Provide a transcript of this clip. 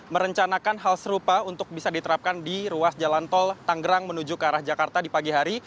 merencanakan hal serupa untuk bisa diterapkan di ruas jalan tol tanggerang menuju ke arah jakarta di pagi hari